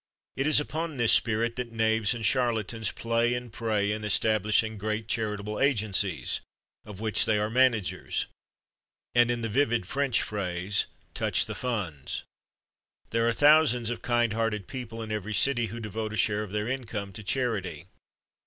It is upon this spirit that knaves and charlatans play and prey in establishing great charitable agencies, of which they are managers, and, in the vivid French phrase, touch the funds. There are thousands of kind hearted people in every city who devote a share of their income to charity.